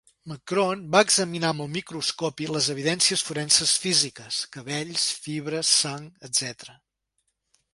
McCrone va examinar amb el microscopi les evidències forenses físiques: cabells, fibres, sang, etc.